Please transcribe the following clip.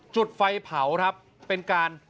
จุดไฟเผาครับเป็นการ